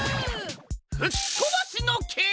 ふきとばしのけい！